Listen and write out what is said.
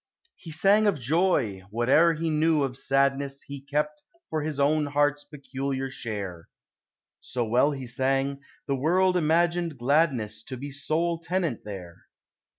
He sang of joy; whate'er he knew of sadness He kept for his own heart's peculiar share: So well he sang, the world imagined gladness To be sole tenant there.